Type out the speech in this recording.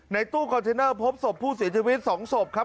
ตู้คอนเทนเนอร์พบศพผู้เสียชีวิต๒ศพครับ